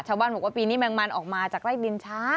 ชาวบ้านบอกว่าปีนี้แมงมันออกมาจากไล่บินช้า